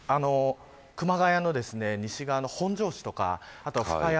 熊谷の西側の本荘市とか深谷